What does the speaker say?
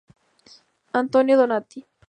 Antonio Donati.